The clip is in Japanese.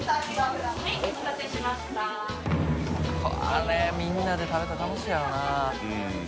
あれみんなで食べたら楽しいやろうな。